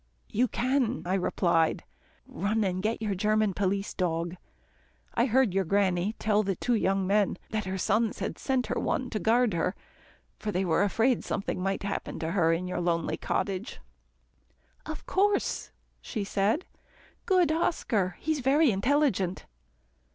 "You can," I replied, "run and get your German police dog. I heard your Granny tell the two young men that her sons had sent her one to guard her, for they were afraid something might happen to her in your lonely cottage." "Of course," she said, "good Oscar, he's very intelligent."